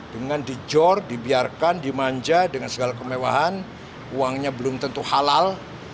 dengan dijor dibiarkan dimanja dengan segala kemewahan uangnya belum tentu halal